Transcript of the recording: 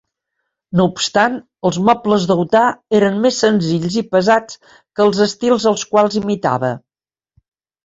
No obstant, els mobles de Utah eren més senzills i pesats que els estils als quals imitava.